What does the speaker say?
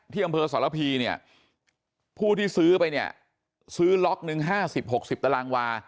ที่อำเภอสรพีผู้ที่ซื้อไปซื้อหล็อกนึง๕๐๖๐ตารางวา